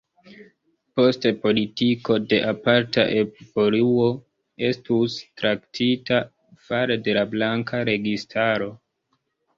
Poste politiko de aparta evoluo estus traktita fare de la blanka registaro.